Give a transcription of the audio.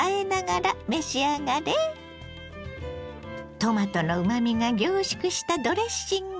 トマトのうまみが凝縮したドレッシング。